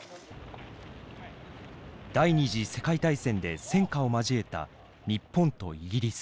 第２次世界大戦で戦火を交えた日本とイギリス。